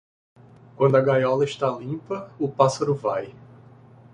Quando a gaiola está limpa, o pássaro vai.